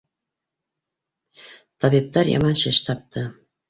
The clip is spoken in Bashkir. Табиптар яман шеш тапты.